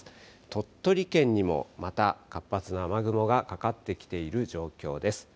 鳥取県にも、また活発な雨雲がかかってきている状況です。